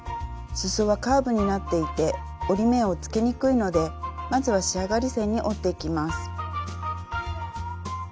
すそはカーブになっていて折り目をつけにくいのでまずは仕上がり線に折っていきます。